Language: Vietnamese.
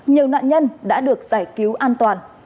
nhiều nạn nhân đã được giải cứu an toàn